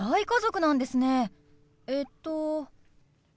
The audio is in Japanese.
えっと？